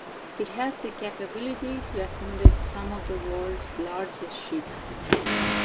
It has the capability to accommodate some of the world's largest ships.